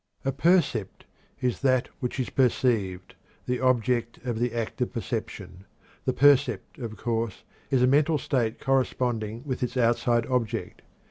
A percept is "that which is perceived; the object of the act of perception." The percept, of course, is a mental state corresponding with its outside object.